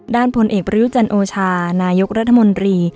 ด้านผลเอกประยุจรรย์โอชานายกรัฐมนตรี